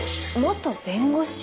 元弁護士！？